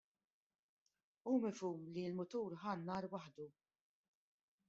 Hu mifhum li l-mutur ħa n-nar waħdu.